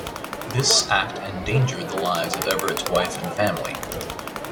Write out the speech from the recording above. This act endangered the lives of Everett's wife and family.